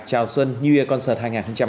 chào xuân new year concert hai nghìn hai mươi hai